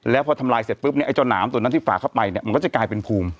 แล้วพอทำลายเสร็จปุ๊บเนี่ยไอ้เจ้าหนามตัวนั้นที่ฝ่าเข้าไปเนี่ยมันก็จะกลายเป็นภูมิ